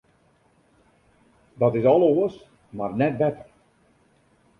Dat is al oars, mar net better.